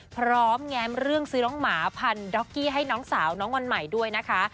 แง้มเรื่องซื้อน้องหมาพันด็อกกี้ให้น้องสาวน้องวันใหม่ด้วยนะคะ